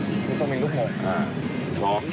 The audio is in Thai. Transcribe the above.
มันต้องเป็นลูกหลง